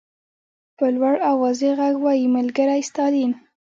په لوړ او واضح غږ وایي ملګری ستالین.